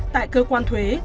tại cơ quan thuế